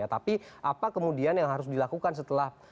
tapi apa kemudian yang harus dilakukan setelah